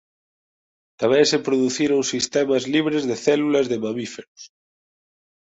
Tamén se produciron sistemas libres de células de mamíferos.